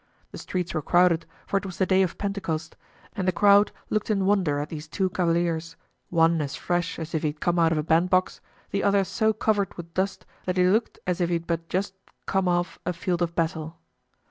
The streets were crowded, for it was the day of Pentecost, and the crowd looked in wonder at these two cavaliers; one as fresh as if he had come out of a bandbox, the other so covered with dust that he looked as if he had but just come off a field of battle.